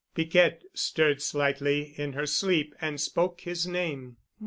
Piquette stirred slightly in her sleep and spoke his name.